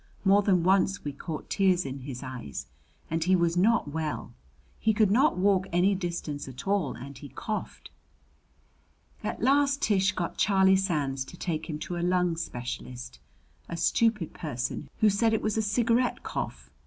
More than once we caught tears in his eyes. And he was not well he could not walk any distance at all and he coughed. At last Tish got Charlie Sands to take him to a lung specialist, a stupid person, who said it was a cigarette cough.